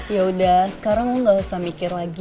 yaudah sekarang lo gak usah mikir lagi